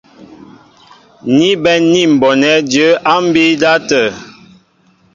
Ni bɛ̌n ní m̀bonɛ́ jə̌ á mbí' ndáp.